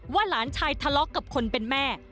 ว่าหลานชายทะล้อกับคนเป็นแม่